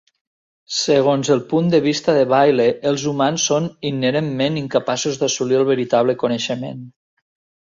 Segons el punt de vista de Bayle, els humans són inherentment incapaços d'assolir el veritable coneixement.